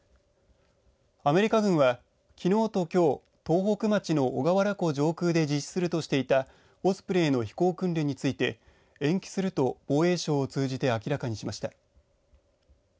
アメリカ軍はきのうときょう、東北町の小川原湖上空で実施するとしていたオスプレイの飛行訓練について延期すると防衛省を通じて明らかにしました。